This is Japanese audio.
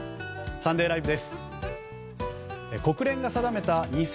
「サンデーＬＩＶＥ！！」